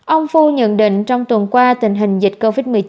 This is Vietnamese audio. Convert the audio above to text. ông phu nhận định trong tuần qua tình hình dịch covid một mươi chín